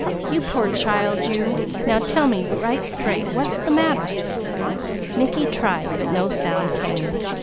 You poor child you, now tell me right straight what's the matter!" Mickey tried but no sound came.